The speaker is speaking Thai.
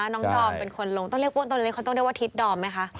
น้องดอมเป็นคนลงต้องเรียกว่าตรงนี้ต้องเรียกว่าทิศดอมไหมคะ